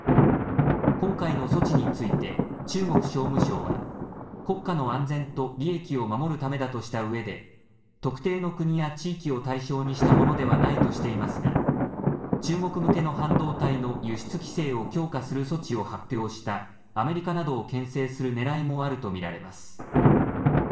今回の措置について中国商務省は国家の安全と利益を守るためだとしたうえで特定の国や地域を対象にしたものではないとしていますが中国向けの半導体の輸出規制を強化する措置を発表したアメリカなどをけん制するねらいもあると見られます。